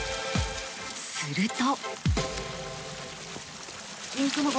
すると。